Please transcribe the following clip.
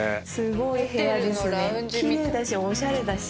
奇麗だしおしゃれだし。